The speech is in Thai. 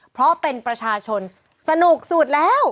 เพราะเป็นประชาชนสนุกสุดแล้ว